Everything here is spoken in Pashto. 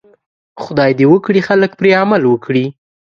خدای دې وکړي خلک پرې عمل وکړي.